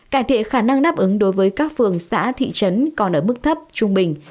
cải thiện khả năng đáp ứng đối với các phường xã thị trấn còn ở mức thấp trung bình